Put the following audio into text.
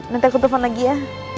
nanti aku telfon lagi ya